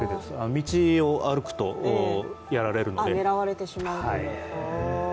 道を歩くとやられるので。